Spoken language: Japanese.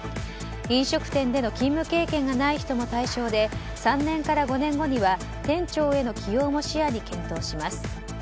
飲食店での勤務経験がない人も対象で３年から５年後には店長への起用も視野に検討します。